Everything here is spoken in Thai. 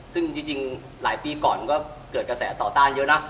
ซึ่งจริงหลายปีก่อนก็เกิดกระแสต่อต้านเยอะนะ